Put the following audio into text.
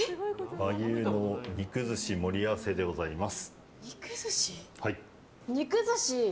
和牛の肉寿司盛り合わせでございます。